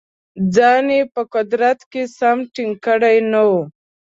ځان یې په قدرت کې سم ټینګ کړی نه وو.